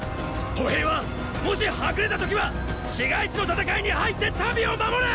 歩兵はもしはぐれた時は市街地の戦いに入って民を守れ！